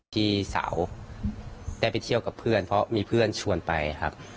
พี่สาวได้ไปเที่ยวกับเพื่อนเพราะมีเพื่อนชวนไปครับ